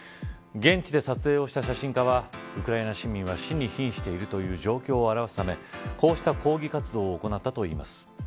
現地で撮影をした写真家はウクライナ市民は市に瀕しているという状況を表すためこうした抗議活動を行ったといいます。